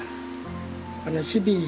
あの「日々」